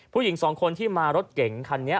ผู้หญิงสองคนที่มารถเก๋งคันนี้